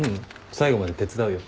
最後まで手伝うよ。